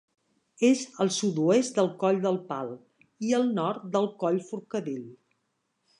És al sud-oest del Coll del Pal i al nord del Coll Forcadell.